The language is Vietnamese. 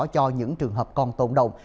cho những trường hợp còn tồn đồng